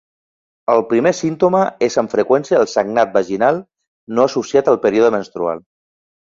El primer símptoma és amb freqüència el sagnat vaginal no associat al període menstrual.